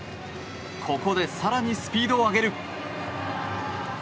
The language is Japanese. ここで更にスピードを上げる。